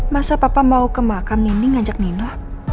masa papa mau ke makam ninding ngajak nino